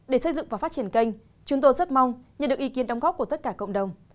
để xây dựng và phát triển kênh chúng tôi rất mong nhận được ý kiến đóng góp của tất cả cộng đồng